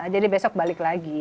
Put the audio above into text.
jadi besok balik lagi